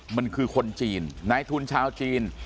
มันคือคนจีนนายทุนชาวจีน